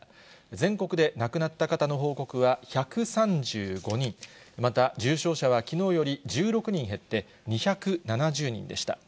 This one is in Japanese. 全国で亡くなった方の報告は、１３５人、また、重症者はきのうより１６人減って、２７０人でした。